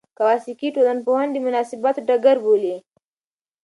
کواساکي ټولنپوهنه د مناسباتو ډګر بولي.